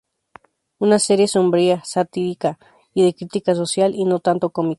Una serie sombría, satírica y de crítica social y no tanto cómica.